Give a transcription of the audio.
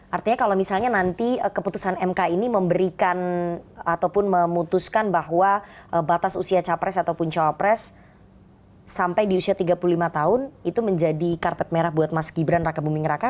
artinya kalau misalnya nanti keputusan mk ini memberikan ataupun memutuskan bahwa batas usia capres ataupun cawapres sampai di usia tiga puluh lima tahun itu menjadi karpet merah buat mas gibran raka buming raka